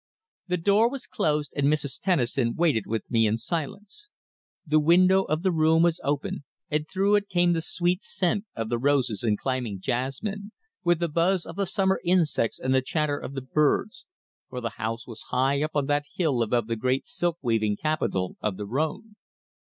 The door was closed, and Mrs. Tennison waited with me in silence. The window of the room was open and through it came the sweet scent of the roses and climbing jasmine, with the buzz of the summer insects and the chatter of the birds, for the house was high up on that hill above the great silk weaving capital of the Rhône.